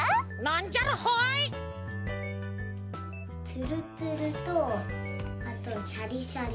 ツルツルとあとシャリシャリ。